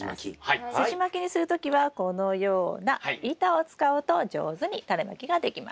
すじまきにする時はこのような板を使うと上手にタネまきができます。